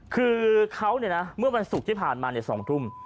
คือเขาเนี่ยนะเมื่อวันศุกร์ที่ผ่านมาในสองทุ่ม